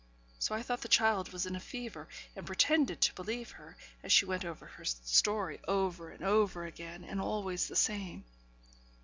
So I thought the child was in a fever, and pretended to believe her, as she went over her story over and over again, and always the same.